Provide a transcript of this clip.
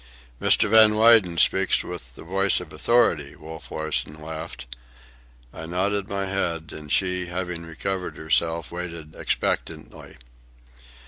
"Mr. Van Weyden speaks with the voice of authority," Wolf Larsen laughed. I nodded my head, and she, having recovered herself, waited expectantly.